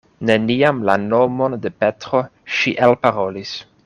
Neniam la nomon de Petro ŝi elparolis.